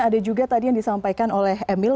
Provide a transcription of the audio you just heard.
ada juga tadi yang disampaikan oleh emil